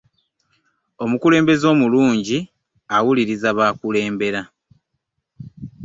Omukulembeze omulungi awuliriza b'akulembera.